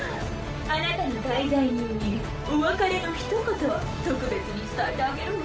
あなたの大罪人にお別れのひと言を特別に伝えてあげるわ。